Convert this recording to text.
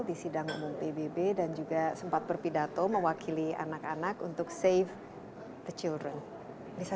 di sidang umum pbb dan juga sempat berpidato mewakili anak anak untuk safe the children bisa